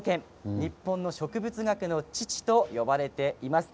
日本の植物学の父と呼ばれています。